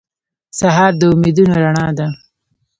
سهار د امیدونو رڼا ده.